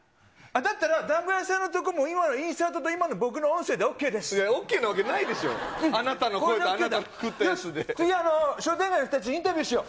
だったら、だんご屋さんのところも、今のインサートと今の僕の音ＯＫなわけないでしょう、あなたの声と、次、商店街の人たちにインタビューしよう。